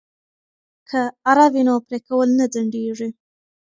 که اره وي نو پرې کول نه ځنډیږي.